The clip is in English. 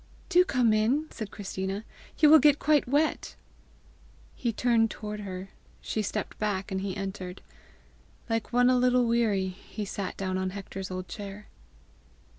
"Do come in," said Christina; "you will get quite wet!" He turned towards her. She stepped back, and he entered. Like one a little weary, he sat down on Hector's old chair.